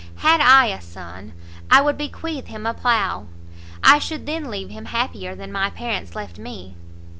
Had I a son, I would bequeath him a plough; I should then leave him happier than my parents left me.